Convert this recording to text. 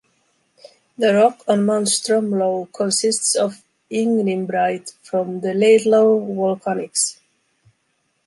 The rock on Mount Stromlo consists of ignimbrite from the Laidlaw Volcanics.